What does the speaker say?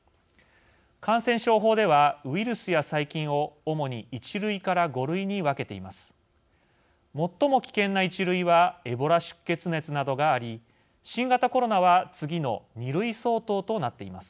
感染症法では、ウイルスや細菌を主に１類から５類に分けています。